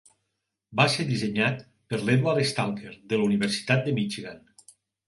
Va ser dissenyat per Edward Stalker, de la Universitat de Michigan.